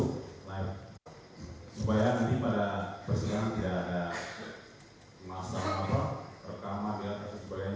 supaya nanti pada persidangan tidak ada masalah apa rekaman dan sebagainya